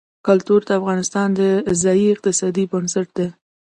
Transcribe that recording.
کلتور د افغانستان د ځایي اقتصادونو بنسټ دی.